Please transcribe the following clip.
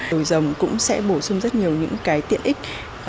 đồi rồng cũng sẽ bổ sung rất nhiều những cái tiện ích